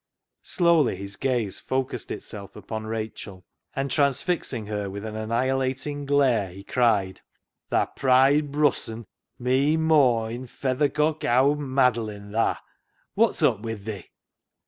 Slowly his gaze focused itself upon Rachel, and transfixing her with an annihilating glare, he cried —" Tha pride brussen, mee mawin, feathercock owd maddlin, tha, wot's up with thi ?